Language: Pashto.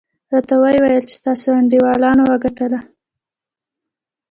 راته ویې ویل چې ستاسې انډیوالانو وګټله.